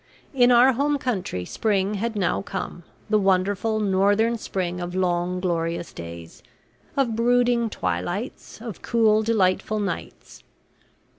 In our home country spring had now come, the wonderful northern spring of long glorious days, of brooding twilights, of cool delightful nights.